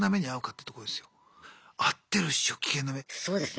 そうですね。